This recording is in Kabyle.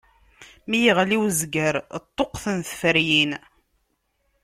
Mi yeɣli uzger, ṭṭuqqten tferyin.